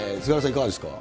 いかがですか。